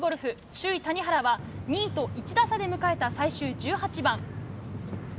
首位、谷原は２位と１打差で迎えた最終１８番。